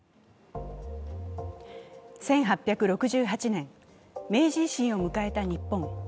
１８６８年、明治維新を迎えた日本。